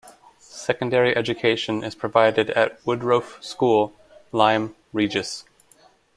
Secondary education is provided at Woodroffe School, Lyme Regis.